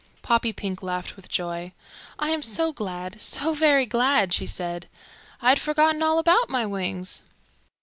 Poppypink laughed with joy. "I am so glad, so very glad!" she said. "I had forgotten all about my wings."